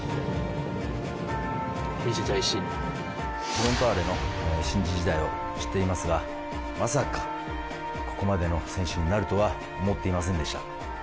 フロンターレの時代を知っていますが、まさかここまでの選手になるとは思っていませんでした。